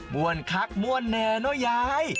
ม่วนคักม่วนแนวนแนวยาย